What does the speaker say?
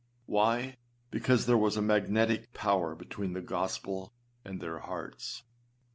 Why? because there was a magnetic power between the gospel and their hearts.